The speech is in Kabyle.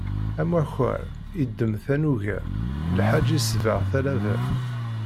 Amakar iddem tanuga, lḥaǧ isbeɣ talaba.